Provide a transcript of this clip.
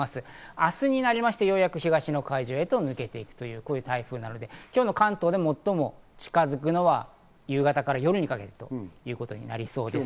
明日になりまして、ようやく東の海上へ抜けていくという台風なので、今日、関東で最も近づくのは夕方から夜にかけてということになりそうです。